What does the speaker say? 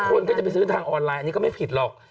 คนก็จะไปซื้อทางออนไลน์อันนี้ก็ไม่ผิดหรอก